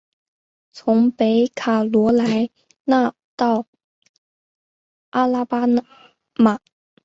从北卡罗来纳到阿拉巴马。